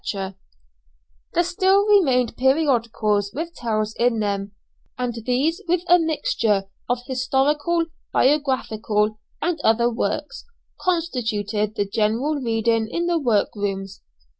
There still remained periodicals with tales in them, and these with a mixture of historical, biographical and other works, constituted the general reading in the work rooms.